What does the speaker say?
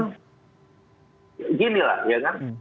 beginilah ya kan